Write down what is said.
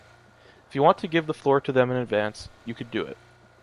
If you want to give the floor to them in advance, you could do it.